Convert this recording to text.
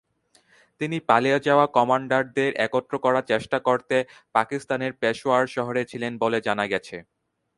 তিনি পালিয়ে যাওয়া কমান্ডারদের একত্র করার চেষ্টা করতে পাকিস্তানের পেশোয়ার শহরে ছিলেন বলে জানা গেছে।